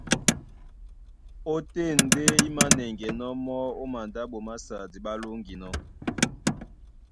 Ótên ndé í mānɛŋgɛnɔ́ mɔ́ ó mandáɓo másadi ɓá lóŋginɔ́.